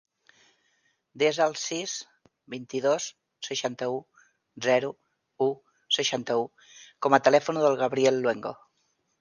Desa el sis, vint-i-dos, seixanta-u, zero, u, seixanta-u com a telèfon del Gabriel Luengo.